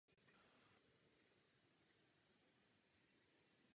Od konce války začal emirát hospodářsky růst.